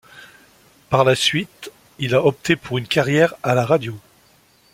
Par la suite, il a opté pour une carrière à la radio.